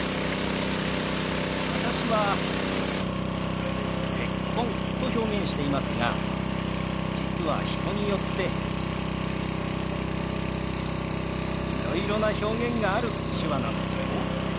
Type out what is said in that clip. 私は「結婚」と表現していますが実は人によっていろいろな表現がある手話なんですよ。